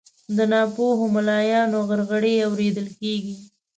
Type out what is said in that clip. د ناپوهو ملایانو غرغړې اورېدل کیږي